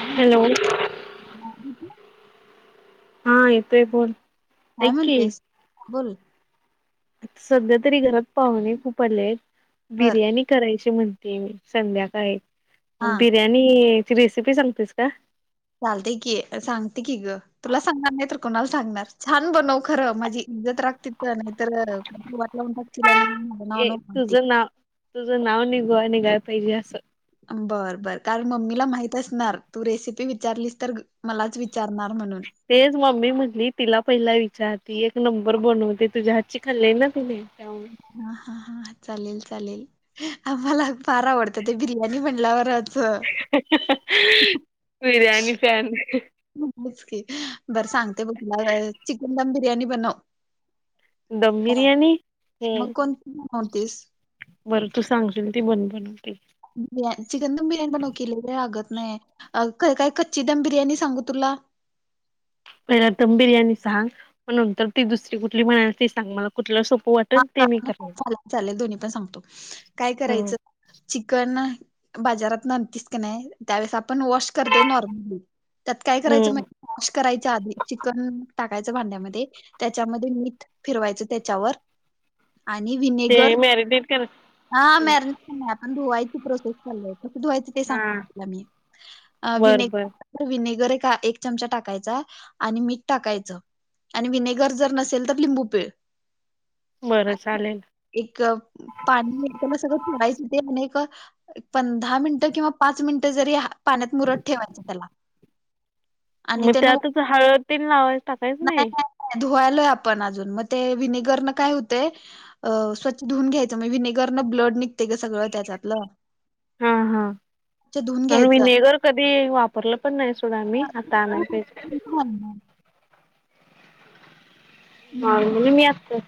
काय म्हणतेस? हॅलो. [unintelligible] हा येतंय बोल. काय ऐक की म्हणतेस, बोल. सध्या तरी घरात पाहुणे खूप आले बर बिर्याणी करायची म्हणते मी संध्याकाळी हा मग बिर्याणी ची रेसिपी सांगतेस का? चालतय की सांगते की ग. तुला सांगणार नाही तर कोणाला सांगणार छान बनव खरं माझी इज्जत राख तिथं नाहीतर वाट लावून टाकतील आणि नाव ये नको म्हणते तुझं नाव, तुझं नाव नि [unintelligible] निघाय पाहिजे असं. बर बर काल मम्मीला माहित असणार तू रेसिपी विचारलीस तर मलाच विचारणार म्हणून. तेच मम्मी म्हटली तिला पहिला विचार ती एक नंबर बनवते तुझ्या हातची खाल्ली ना तिने त्या हा हा हा चालेल चालेल आम्हाला फार आवडतं ते बिर्याणी म्हणल्यावर बिर्याणी फॅन. [unintelligible] बरं सांगते बघ तुला चिकन दम बिर्याणी बनव. दम का बिर्याणी मग हम्म कोणती बनवतीस. बरं तू सांगशील ती बन [unintelligible] [unintelligible] चिकन दम बिर्याणी बनव की लई वेळ लागत नाही. अ काय कच्ची दम बिर्याणी सांगू तुला. पहिला दम बिर्याणी सांग मग नंतर ती दुसरी कुठली म्हणाल ते सांग मला. कुठल सोप वा [unintelligible] चालेल चालेल दोन्ही पण सांगतो काय हम्म. करायचं. चिकन बाजारात न अंतिस की नाही त्यावेळेस आपण वॉश करते नॉर्मली. त्यात काय करायचं म हम्म वॉश करायच्या आधी चिकन टाकायचं भांड्यामध्ये त्याच्यामध्ये मीठ फिरवायचं त्याच्यावर आणि ते विनेगर मॅरिनेट कर हा मॅर [unintelligible] आपण धुवायची प्रोसेस चाल [unintelligible] धुवायच ते हा सांग तुला मी अ बर विने बर तर विनेगर एक अ एक चमचा टाकायचा आणि मीठ टाकायचं. आणि विनेगर जर नसेल तर लिंबू पिळ. बरं चालेल. एक पाणी [unintelligible] सगळं [unintelligible] पण दहा मिनिटं किंवा पाच मिनिटं जरी पाण्यात मुरत ठेवायचं त्याला. आणि मग त्याने त्यातच हळद तेन लावायचं टाकायच नाही. धुवायलोय आपण अजून मग ते विनेगर न काय होतय अ स्वच्छधून घ्यायचं म विनेगरं ब्लड निघते ग सगळं त्याच्यातलं. हा हा. स्वच्छ धुवून [unintelligible] घ्यायचं विनेगर कधी वापरलं पण नाही सोडा आम्ही आता आणय पाजे. ह ना. हा मी मी असतेस.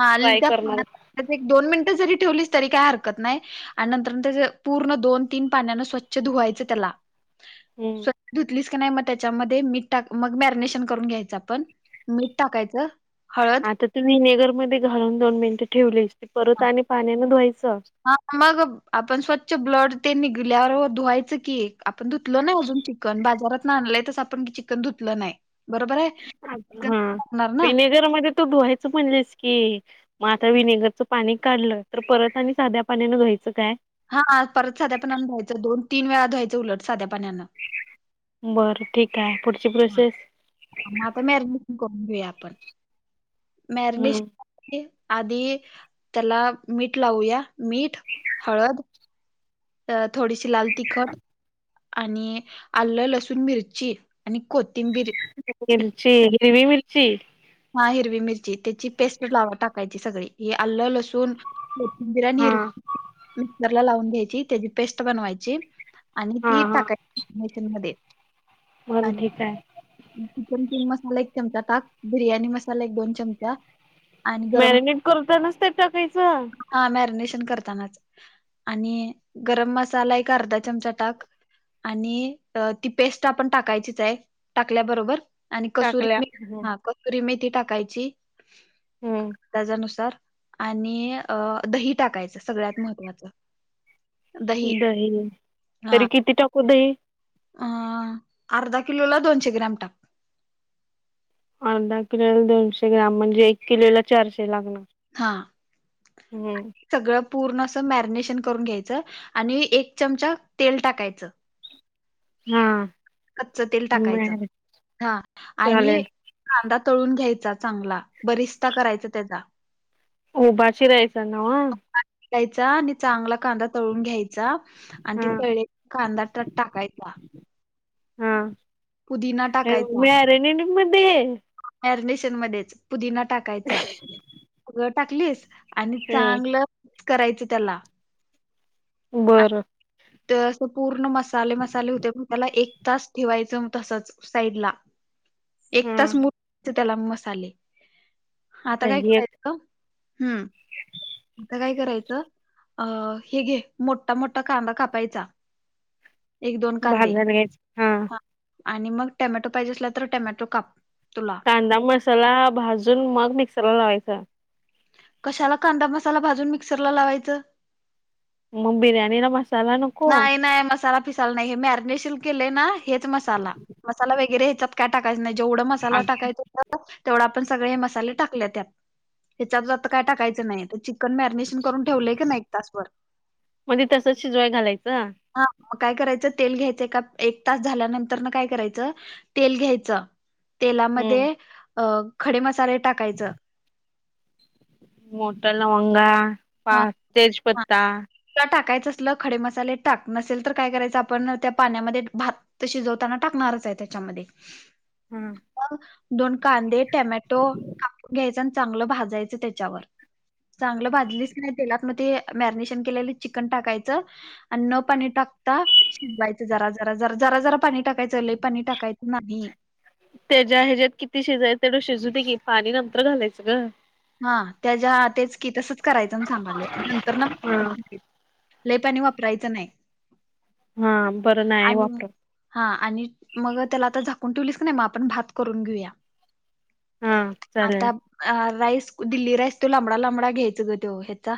हा [unintelligible] एक दोन मिनिटं जरी ठेवलीस तरी काय हरकत नाही. आणि नंतर न त्याज पूर्ण दोन तीन पाण्यान स्वच्छ धुवायचं त्याला. हम्म. स्वतः त धुतलीस. क नाही म त्याच्यामध्ये मीठ टाक मग मॅरीनेशन करून घ्यायचा पण मीठ टाकायचं. हळ आता तू विनेगर मध्ये घालून दोन मिनिटं ठेवलीस ते परत आणि पाण्यानं धुवायचं. हा मग आपण स्वच्छ ब्लड ते निघल्यावर धुवायचं की आपण धुतलो नाही अजून ते. चिकन बाजारातन आलंय तस आपण चिकन धुतलं नाही. बरोबर आहे चिकन हा टाकणार ना विनेगर मध्ये तू धुवायच म्हणलीस की. मग आता विनेगरचं पाणी काढलं तर परत आणि साध्या पाण्यानं धुवायचं काय? हा परत साध्या पाणी धूवायच दोन तीन वेळा धुवायचं उलट साध्या पाण्यांन बरं ठीक आहे पुढची प्रोसेस म मॅरिनेशन करून घेऊया आपण हम्म मॅरिनेशन ओके आधी त्याला मीठ लावूया मीठ, हळद अ थोडीशी लाल तिखट आणि आलं लसूण मिरची आणि कोथ मिर्ची हिरवी मिर्ची हा हिरवी मिरची त्याची पेस्ट लावा टाकायची सगळी हे आल्लं लसूण कोथिंबीर आणि हा मिरची मिक्सरला लावून घ्यायची त्याची पेस्ट बनवायची आणि हा ती हा टाकायची मॅरीनेशन बरं आणि ठीक आहे चिकन किंग मसाला एक चमचा टाक, बिर्याणी मसाला एक दोन चमचा आणि मॅरिनेट करतानाच ते टाकायच हा मॅरिनेशन करतानाच आणि गरम मसाला एक अर्धा चमचा टाक आणि ती पेस्ट आपण टाकायचीच आहे, टाकल्याबरोबर आणि कसुरी टाकल्या मेथी हा कसुरी मेथी टाकायची हम्म त्याच्यानुसार आणि अह दही टाकायचं सगळ्यात महत्त्वाचं दही, हां, तरी किती टाकू दही? अ अर्धा किलोला दोनशे ग्रॅम टाक. अर्धा किलोला दोनशे ग्रॅम म्हणजे एक किलोला चारशे लागणार हा. हम्म सगळं पूर्ण असं मॅरिनेशन करून घ्यायचं आणि एक चमचा तेल टाकायचं हा. कच्च तेल टाकायचं बर हा चालेल आणि कांदा तळून घ्यायचा चांगला, बरिस्ता करायचा त्याचा उभा चिरायचा ना? उभा चिरायचा आणि चांगला कांदा तळून घ्याय चा आणि ते हा तळलेला कांदा त्यात टाकायचा हा पुदिना ह्या मॅरीनेट मध्ये मॅरीनेशन मध्येच पुदीना टाकायचा सगळ टाकलीस आणि चांगलं करायचं त्याला बरं. ते अस पूर्ण मसाले मसाले होते पण त्याला एक तास ठेवायचं तसच साईड ला. एक हा तास [unintelligible] त्याला मसाले आता काय ही एक करायच हम्म. आता काय करायचं अह हे घे मोठा मोठा कांदा काप पायचा एक दोन कांदे भाजायला घ्यायच हा आणि मग टॅमॅटो पाहिजे असला तर टॅमॅटो काप तुला कांदा मसाला भाजून मग मिक्सर ला लावायचा कशाला कांदा मसाला भाजून मिक्सरला लावायचं म बिर्याणी ना मसाला न नाही नाही मसाला फिसाला नाही हे मॅरिनेशन केलंय ना हेच मसाला मसाला वगैरे ह्याच्यात काय टाकायचं नाही जेवढा मसाला टाकायच होता तेवढं आपण सगळे मसाले टाकले त्यात त्याच्यात आता काय टाकायचं नाही ते चिकन मॅरिनेशन करून ठेवलंय की नाही एक तासभर मध्ये तसं शिजवाय घालायचं हा काय करायचं तेल घ्यायचं ए एक तास झाल्यानंतर न काय करायचं तेल घ्यायचं तेलामध्ये हम्म अ खडे मसाले टाकायचं. मोटा लवंगा, पा हा हा तेजपत्ता तुला टाकायचं असल खडे मसाले टाक, नसेल तर काय करायचं आपण त्या पाण्यामध्ये भात त शीजवताना टाकणारच आहे त्याच्यामध्ये. हम्म. मग दोन कांदे, टमॅटो कापून घ्यायचा न चांगलं भाजायच त्याच्यावर, चांगलं भाजलीस तेलात मग ते मॅरिनेशन केलेलं चिकन टाकायचं आणि न पाणी टाकता शिजवायचं जरा जरा जरा जरा जरा पाणी टाकायचं लय पाणी टाकायचं नाही. त्याच्या ह्याच्यात किती शेजायच तेवढ शेजू दे की पाणी नंतर घालायचं ग. हा त्याच्या तेच की तसंच करायचं मग सांगायलोय नंतर ना हा. म लय पानी वापरायचं नाही हा बरं नाही आणि वापर हा आणि मग त्याला आता झाकून ठेवलीस का नाही मग आपण भात करून घेऊया. हा चालेल आता राईस दिल्ली राईस तो लांबडा लांबडा घ्यायच ग तो ह्याचा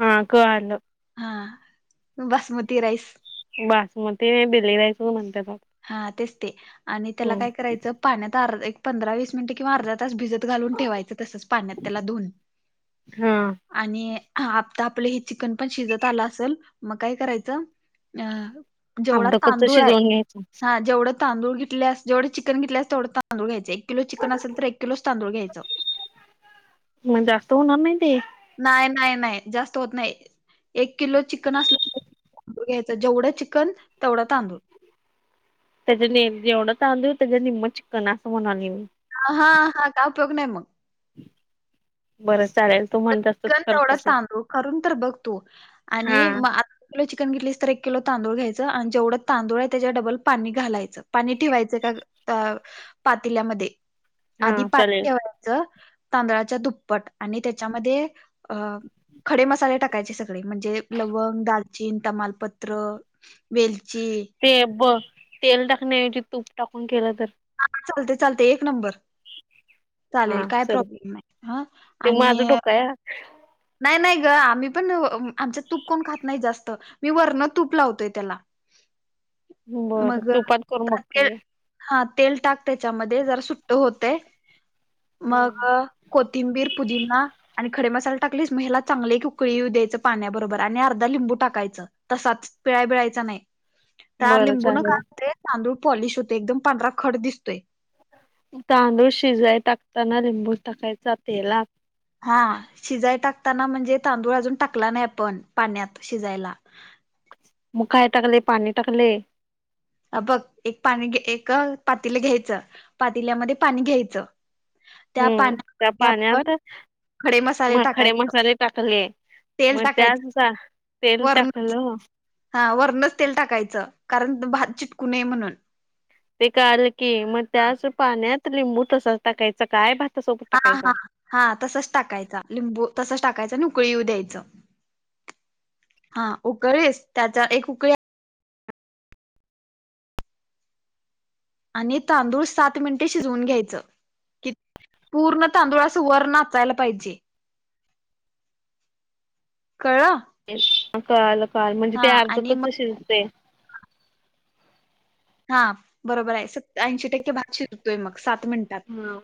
हा कळालं. हा बासमती राईस. बासमती दिलीरायच म्हणतात ओ. हा तेच ते आणि त्याला काय करायचं पाण्यात अर एक पंधरा वीस मिनट किंवा अर्धा तास भिजत घालून ठेवायचं तसच. पाण्यात त्याला धुऊन. हा आणि आता आपलं हे चिकन पण शिजत आलं असेल मग काय करायचं अ जेवढा अर्ध कच्च तांदूळ आहे शिजवून घ्यायचं हा जेवढ तांदूळ घेतल्यास जेवढं चिकन घेतल्यास तेवढ तांदूळ घ्यायचं एक किलो चिकन असेल तर एक किलोच तांदूळ घ्यायचं. मग जास्त होणार नाही ते? नाही नाही नाही जास्त होत नाही एक किलो चिकन असलं तांदूळ घ्यायचा जेवढं चिकन तेवढा तांदूळ. त्याच्या निम जेवढं तांदुळ त्याच्या निम्म चिकन असं म्हणालोय मी. हा हा काय उपयोग नाही मग. बरं चालेल. तू म्हणत तसच चिकन करतो तेवढं बघ तांदूळ करून तर बघ तु हा आणि मग आ एक किलो चिकन घेतलीस तर एक किलो तांदूळ घ्यायचं आणि जेवं जेवढं आहे त्याच्यावर डबल पाणी घालायचं. पाणी ठेवायचं का पातील्यामध्ये हा आधी पाणी चालेल ठेवायचं तांदळाच्या दुप्पट आणि त्या त्याच्यामध्ये अ खडे मसाले टाकायचे सगळे म्हणजे लवंग, दालचीन, तमालपत्र वेलची ते ब तेल टाकण्याऐवजी तूप टाकून केलं तर? चालते चालते एक नंबर! चालेल काय प्रॉब्लेम नाही ह ते आणि माझं डोकं आहे हा. नाही नाही ग आम्ही पण नव्ह आमच्यात तूप कोण खात नाही जास्त. मी वरनं तूप लावतोय त्याला [inaudible] बरं मग तुपात करून बघतो ते घे हा तेल टाक त्याच्यामध्ये जरा सुट्ट होत मग कोथिंबीर पुजिना आणि. खडे मसाला टाकलीस म्याला चांगले एक उकळी द्यायचं पाण्याबरोबर आणि अर्धा लिंबू टाकायचं. तसाच पिळाबिळायचा नाही त्या बरं लिंबू न चालेल खाते तांदूळ पॉलिश होते एकदम पांढरा खड दिसतोय. तांदूळ शिजाय टाकताना लिंबू टाकायचा तेलात हा शिजाय टाकताना म्हणजे तांदूळ अजून टाकला नाही आपण पाण्यात शिजायला म काय टाकले पाणी टाकले अ बघ एक पाणी एक पातीले घ्यायचं पातील्यामध्ये पाणी घ्यायचं त्या हम्म त्या पाण्यामध्ये पाण्यात आपण खडे मसाले म खडे टाकायचं मसाले टाकले तेल मग टाकायचं त्याच तेल वरण टाकलं हा वरणच तेल टाकायचं कारण भात चिटकू नये म्हणून ते काल की मग त्याच पाण्यात लिंबू तसाच टाकायचा काय भ हा हा हा तसच टाकायचा लिंबू तसच टाकायच आणि उकळी येऊ द्यायचं हा उकळी त्याचा एक उकळी आणि तांदूळ सात मिनिटे शिजवून घ्यायचं कि पूर्ण तांदुळ अस वर नाचायला पाहिजे कळलं. कळालं कळालं म्हणजे ते हा आणि मग अर्धकच शिरते. हा बरोबर आहे स ऐंशी टक्के भात शिजतोय मग सात मिनिटात हा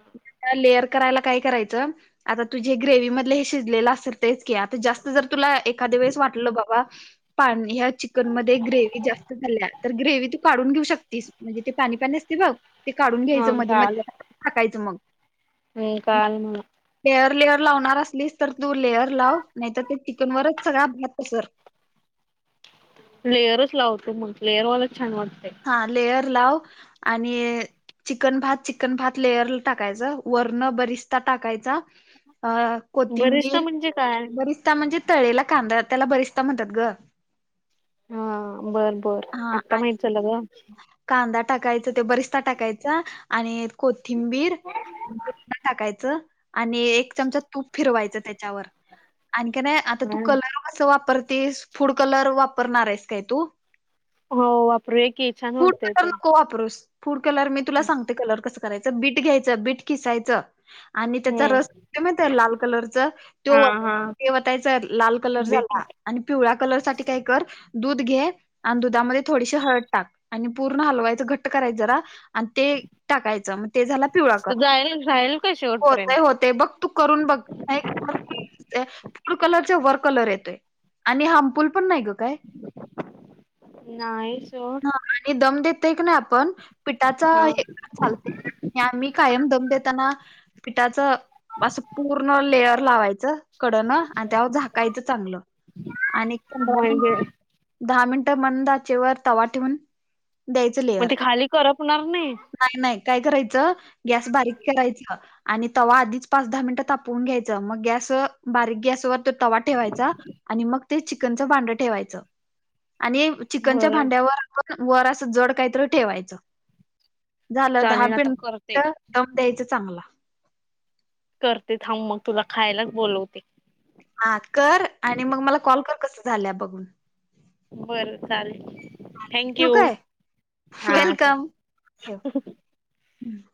लेअर करायला काय करायचं आता तुझे ग्रेव्ही मधल हे शिजलेलं असेल तेच क आता जर तुला एखाद्या वेळेस वाटलं बाबा पान ह्या चिकन मध्ये ग्रेव्ही जास्त झाल्या तर ग्रेव्ही तू काढून घेऊ शक म्हणजे ते पाणी पाणी असते बघ ते काढून घ्यायच हा मध्ये कळालं. मध्ये टाकायचं मग [unintelligible] लेअर लेअर लावणार असलीस तर तू लेअर लाव नाही तर ते चिकनवरच सगळा भात अस लेअरच लावते मग लेअरवालाच छान वाटते- हा लेयर लाव आणि अ. चिकन भात चिकन भात लेयर ला टाकायचं वरण बरिस्ता टाकायचा अ बरिस्ता कोथिंबीर म्हणजे काय? बरीच. ते म्हणजे तळलेला कांदा त्याला बरीसदा म्हणतात ग. हा बरं बरं हा आता आणि माहित झालं ग. कांदा टाकायचा ते बरिस्ता टाकायचा आणि. कोथिंबीर टाकायचं आणि एक चमचा तूप फिरवायचं त्याच्यावर आणखी नाही आता तू ग कलर कस वापरतेस फूड कलर वापरणार एस काय तू? हो वापरू या कि. फूड कलर नको वापरूस फूड कलर मी तुला सांगते कलर च. करायचं बीट घ्यायचं बीट किसायचं. आणि त्याचा हम्म रस ते म्हणतात लाल कलरचा तो. हा हा तेव्हा त्याचा लाल कलर बीट झाला. आणि पिवळया कलर साठी काय कर दूध घे आणि दुधामध्ये थोडीशी हळद टाक टाक आणि पूर्ण हलवायच घट करायच जरा आणि ते टाकायचं म ते झाला. पिवळा तर जाल राहील का शेवटपर्यंत ते बघ तू करून बघ फूड कलर च्या वर कलर येतोय आणि हामफुल पण नाही ग काय नाही च ओ. हा आणि दम देतय क नाय आपण पिठाचा हा हे पण चालतय. आणि आम्ही कायम दम देताना पिठाच असं पूर्ण लेयर लावायचं कडनं आणि त्यावर झाकायचं चांगलं. आणि पंधरा मीन म्हणजे दहा मिनिटं मंद आचेवर तवा ठेवून द्यायच मग लेअर. ते खाली करपणार नाही? नाय नाय काय करायचं गॅस बारीक करायच. आणि तवा आधीच पाच दहा मिनिटं तापवून घ्यायचं मग गॅस बारीक गॅस वर त्यो तवा ठेवायचा आणि मग ते चिकनच भांड ठेवायच. आणि चीकन बरं वर अस जड कायतर ठेवायचं झालं दहा चालेल आता करते मिनिटं दम द्यायचा चांगला. करते थांब मग तुला खायलाच बोलवते. हा कर आणि मग मला कॉल कर कसं झालंया बघून. बरं चालेल थँंक ठेवू यू काय हा वेलकम ठेव. [inaudible]